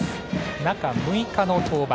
中６日の登板。